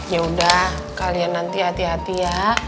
yaudah kalian nanti hati hati ya